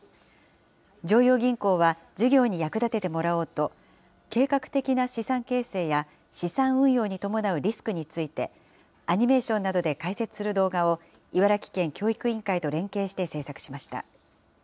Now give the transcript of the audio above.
常陽銀行は授業に役立ててもらおうと、計画的な資産形成や資産運用に伴うリスクについて、アニメーションなどで解説する動画を、茨城県教育委員会と連携して制作しました。